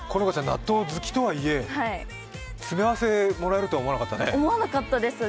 納豆好きとはいえ、詰め合わせとは思わなかったですね。